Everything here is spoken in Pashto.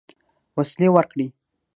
وسلې ورکړې.